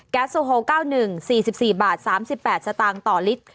แก๊สโซฮอล์๙๑๔๔บาท๓๘สตต่อลิตร